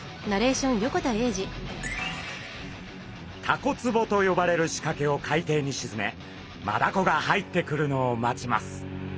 タコ壺と呼ばれるしかけを海底にしずめマダコが入ってくるのを待ちます。